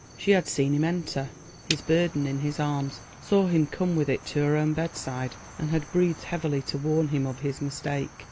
She had seen him enter, his burden in his arms; saw him come with it to her own bedside, and had breathed heavily to warn him of his mistake.